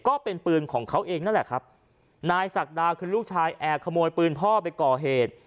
ก็เป็นปืนของเขาเองนั่นแหละครับนายศักดาคือลูกชายแอบขโมยปืนพ่อไปก่อเหตุ